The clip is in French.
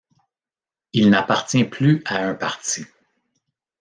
Il n'appartient plus à un parti.